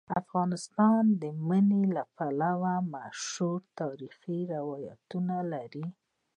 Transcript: افغانستان د منی په اړه مشهور تاریخی روایتونه لري.